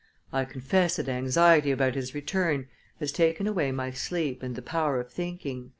I confess that anxiety about his return has taken away my sleep and the power of thinking."